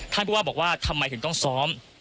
ผู้ว่าบอกว่าทำไมถึงต้องซ้อม